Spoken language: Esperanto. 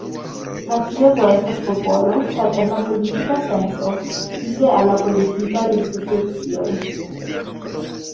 Nacio do estas popolo, sed en la politika senco, lige al la politikaj institucioj.